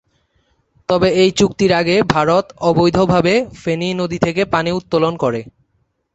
তবে এই চুক্তির আগে ভারত অবৈধভাবে ফেনী নদী থেকে পানি উত্তোলন করে।